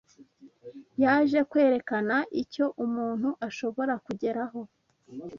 Yaje kwerekana icyo umuntu ashobora kugeraho